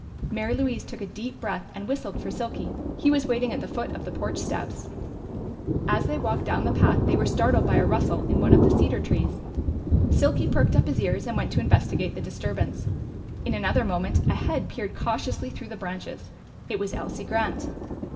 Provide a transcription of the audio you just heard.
Mary Louise took a deep breath and whistled for Silky. He was waiting at the foot of the porch steps. As they walked down the path they were startled by a rustle in one of the cedar trees. Silky perked up his ears and went to investigate the disturbance. In another moment a head peered cautiously through the branches. It was Elsie Grant.